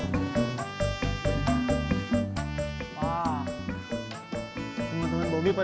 tunggu tungguin bobi pak